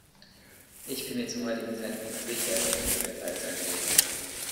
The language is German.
Ich bin mir zum heutigen Zeitpunkt sicher, dass dies der Fall sein wird.